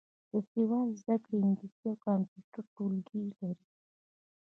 د سواد زده کړې انګلیسي او کمپیوټر ټولګي لري.